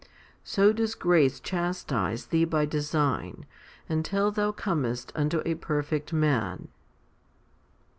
So does grace chastise thee by design, until thou comest unto a perfect man.